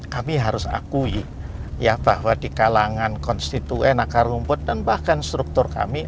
kami harus akui ya bahwa di kalangan konstituen akar rumput dan bahkan struktur kami